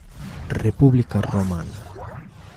República Romana